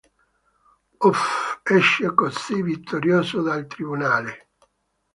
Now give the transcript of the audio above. Huff esce così vittorioso dal tribunale.